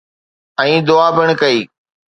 ۽ دعا پڻ ڪئي